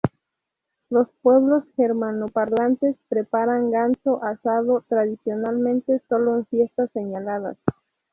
Los pueblos germanoparlantes preparan ganso asado tradicionalmente solo en fiestas señaladas.